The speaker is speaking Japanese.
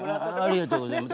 ありがとうございます。